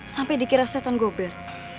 sampai dikira setan gober